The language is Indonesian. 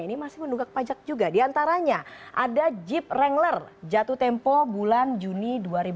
ini masih menunggak pajak juga diantaranya ada jeep rangler jatuh tempo bulan juni dua ribu dua puluh